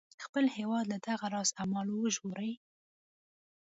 خپل هیواد له دغه راز اعمالو وژغوري.